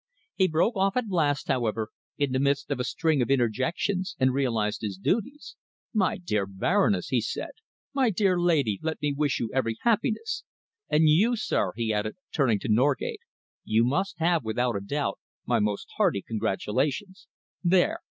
He broke off at last, however, in the midst of a string of interjections and realised his duties. "My dear Baroness," he said, "my dear lady, let me wish you every happiness. And you, sir," he added, turning to Norgate, "you must have, without a doubt, my most hearty congratulations. There!